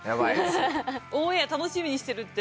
オンエア楽しみにしてるって。